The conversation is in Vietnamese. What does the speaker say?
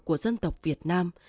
của dân tộc việt nam